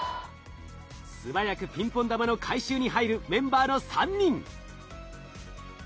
素早くピンポン玉の回収に入るメンバーの３人。